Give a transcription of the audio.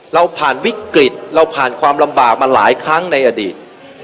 เราผ่านวิกฤตเราผ่านความลำบากมาหลายครั้งในอดีต